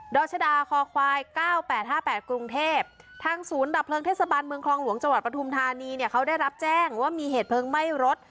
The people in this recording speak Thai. รชดาคอควาย๙๘๕๘กรุงเทพทางศูนย์ดับเพลิงเทศบาลเมืองคลองหลวงจังหวัดปทุมธานีเนี่ยเขาได้รับแจ้งว่ามีเหตุเพลิงไหม้รถ